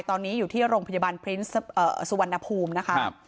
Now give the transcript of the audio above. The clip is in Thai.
ตอนนี้อยู่ที่โรงพยาบาลพรินสุวรรณภูมินะคะ